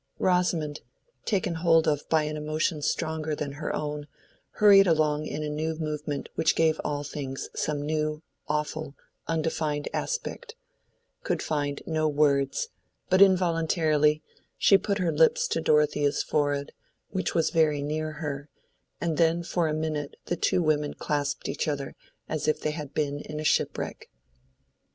Rosamond, taken hold of by an emotion stronger than her own—hurried along in a new movement which gave all things some new, awful, undefined aspect—could find no words, but involuntarily she put her lips to Dorothea's forehead which was very near her, and then for a minute the two women clasped each other as if they had been in a shipwreck.